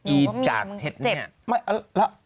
อีกกากเพชรเนี่ย